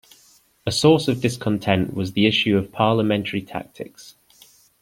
A source of discontent was the issue of parliamentary tactics.